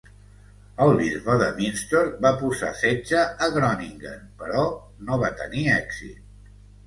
El bisbe de Münster va posar setge a Groningen, però no va tenir èxit.